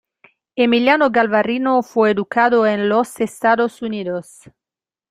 Emiliano Galvarino fue educado en los Estados Unidos.